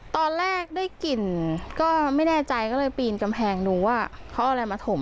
ตอนแรกได้กลิ่นก็ไม่แน่ใจก็เลยปีนกำแพงดูว่าเขาเอาอะไรมาถม